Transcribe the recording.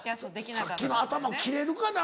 さっきの頭切れるかな？